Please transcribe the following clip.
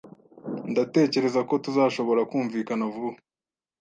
Ndatekereza ko tuzashobora kumvikana vuba.